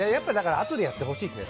あとでやってほしいですね。